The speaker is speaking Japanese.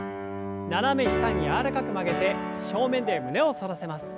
斜め下に柔らかく曲げて正面で胸を反らせます。